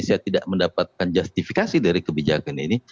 saya tidak mendapatkan justifikasi dari kebijakan ini